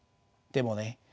でもね